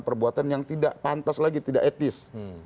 perbuatan yang tidak pantas lagi tidak etis